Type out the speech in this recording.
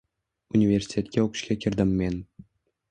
Universitetga oʻqishga kirdim men.